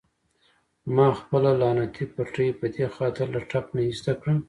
ما خپله لعنتي پټۍ په دې خاطر له ټپ نه ایسته کړه.